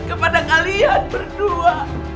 kepada kalian berdua